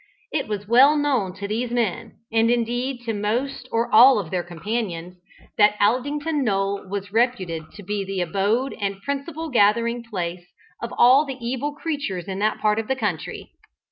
It was well known to these men, and indeed to most or all of their companions, that Aldington knoll was reputed to be the abode and principal gathering place of all the evil creatures in that part of the country.